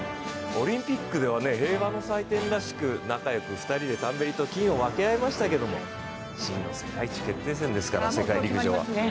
オリンピックでは、平和の祭典らしくタンベリと仲良く金を分け合いましたけれども、世界一決定戦ですから世界陸上は。